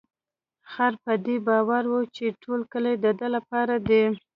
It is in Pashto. خر په دې باور و چې ټول کلي د ده لپاره دی.